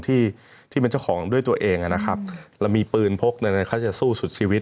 ที่ที่เป็นเจ้าของด้วยตัวเองนะครับเรามีปืนพกอะไรเขาจะสู้สุดชีวิต